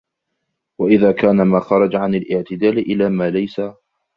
وَإِذَا كَانَ مَا خَرَجَ عَنْ الِاعْتِدَالِ إلَى مَا لَيْسَ